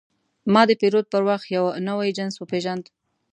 ما د پیرود پر وخت یو نوی جنس وپېژاند.